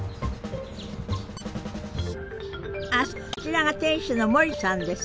あそうそうこちらが店主の森田さんです。